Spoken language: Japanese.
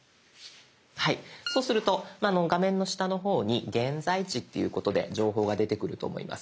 はいそうすると画面の下の方に「現在地」っていうことで情報が出てくると思います。